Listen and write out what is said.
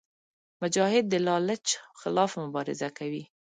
مجاهد د لالچ خلاف مبارزه کوي.